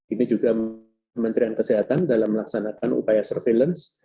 ini juga kementerian kesehatan dalam melaksanakan upaya surveillance